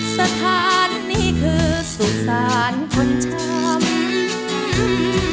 สถานนี้คือสุสานคนช้ำ